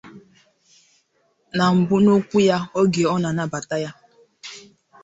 Na mbụ n'okwu ya oge ọ na-anabata ya